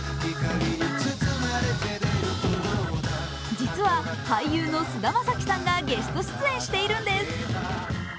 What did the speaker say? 実は、俳優の菅田将暉がゲスト出演しているんです！